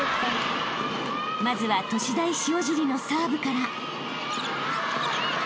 ［まずは都市大塩尻のサーブから］